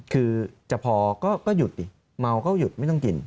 คือจะพอก็หยุดดิเมาก็หยุดไม่ต้องกิน